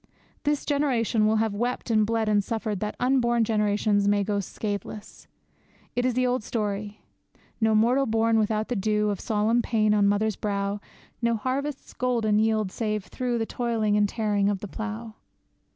This generation will have wept and bled and suffered that unborn generations may go scatheless. It is the old story: No mortal born without the dew Of solemn pain on mother's brow; No harvest's golden yield save through The toil and tearing of the plough.